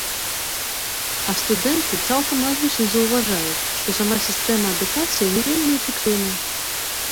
А студэнты цалкам лагічна заўважаюць, што сама сістэма адукацыі не вельмі эфектыўная.